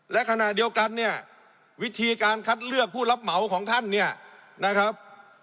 และขณะเดียวกันเนี่ยวิธีการคัดเลือกผู้รับเหมาของท่านเนี่ยนะครับ